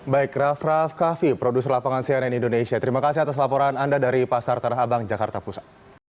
baik raff raff kaffi produser lapangan cnn indonesia terima kasih atas laporan anda dari pasar tanah abang jakarta pusat